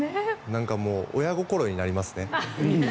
なんか、もう親心になりますね。